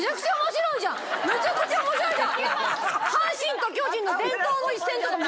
めちゃくちゃ面白いじゃん。